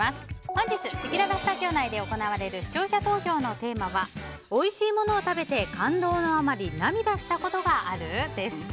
本日せきららスタジオ内で行われる視聴者投票のテーマはおいしいモノを食べて感動のあまり涙したことがある？です。